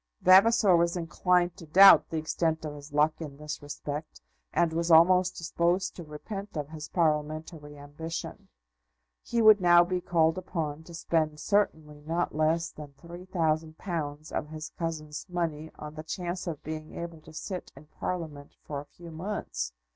Vavasor was inclined to doubt the extent of his luck in this respect, and was almost disposed to repent of his Parliamentary ambition. He would now be called upon to spend certainly not less than three thousand pounds of his cousin's money on the chance of being able to sit in Parliament for a few months.